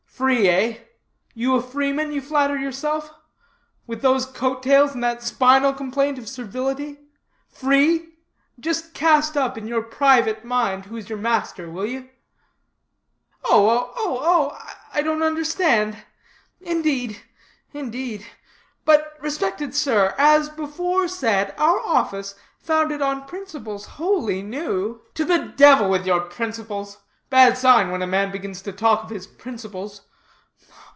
"Free, eh? You a freeman, you flatter yourself? With those coat tails and that spinal complaint of servility? Free? Just cast up in your private mind who is your master, will you?" "Oh, oh, oh! I don't understand indeed indeed. But, respected sir, as before said, our office, founded on principles wholly new " "To the devil with your principles! Bad sign when a man begins to talk of his principles.